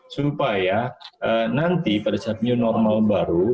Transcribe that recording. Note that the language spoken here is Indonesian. supaya nanti pada saat new normal baru